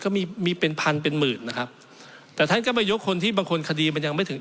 ก็มีมีเป็นพันเป็นหมื่นนะครับแต่ท่านก็ไม่ยกคนที่บางคนคดีมันยังไม่ถึง